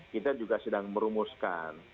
kita juga sedang merumuskan